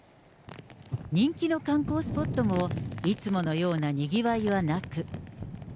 人気の観光スポットもいつものようなにぎわいはなく。